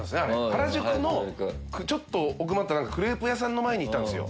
原宿のちょっと奥まったクレープ屋さんの前にいたんです。